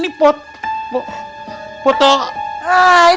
mak mak harus sumpah kayak gimana lagi